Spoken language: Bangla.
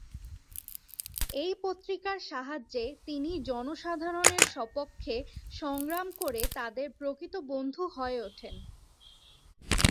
এই পত্রিকার সাহায্যে তিনি জনসাধারণের সপক্ষে সংগ্রাম করে তাদের প্রকৃত বন্ধু হয়ে ওঠেন।